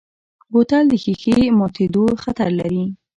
بوتل د ښیښې ماتیدو خطر لري.